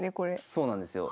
そうなんですよ。